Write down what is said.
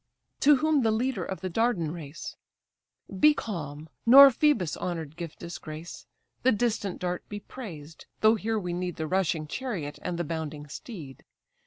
To whom the leader of the Dardan race: "Be calm, nor Phœbus' honour'd gift disgrace. The distant dart be praised, though here we need The rushing chariot and the bounding steed.